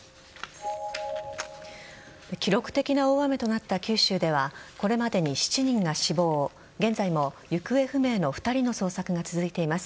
記録的な大雨となった九州ではこれまでに７人が死亡現在も行方不明の２人の捜索が続いています。